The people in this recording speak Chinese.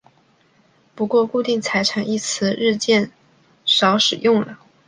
不过固定财产一词日渐少使用了。